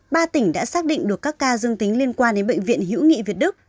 ba tỉnh đã xác định được các ca dương tính liên quan đến bệnh viện hữu nghị việt đức